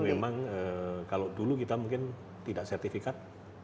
jadi memang kalau dulu kita mungkin tidak sertifikat